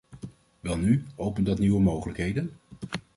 Welnu, opent dat nieuwe mogelijkheden?